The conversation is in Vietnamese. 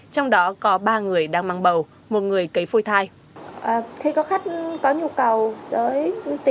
trong đó có ba người đang mang bầu một người cấy phôi thai